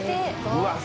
うわっ。